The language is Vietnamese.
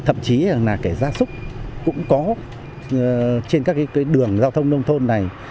thậm chí là cái gia súc cũng có trên các cái đường giao thông nông thôn này